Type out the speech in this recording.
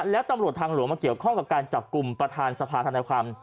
แล้วตำรวจทางหลวงมาเกี่ยวข้องกับการจับกลุ่มประธานสภาธนาความ